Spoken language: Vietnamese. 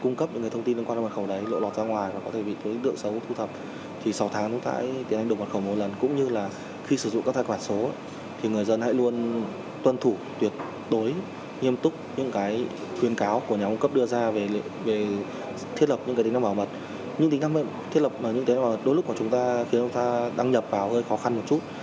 những tính năng bảo mật thiết lập những cái tính năng bảo mật đôi lúc của chúng ta khiến chúng ta đăng nhập vào hơi khó khăn một chút